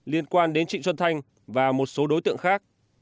liên quan đến chị xuân thanh và một số đối tượng khác